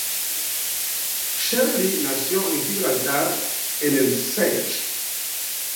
Searle nació en Gibraltar, en el St.